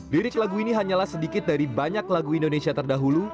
lirik lagu ini hanyalah sedikit dari banyak lagu indonesia terdahulu